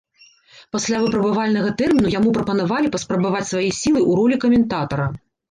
Пасля выпрабавальнага тэрміну яму прапанавалі паспрабаваць свае сілы ў ролі каментатара.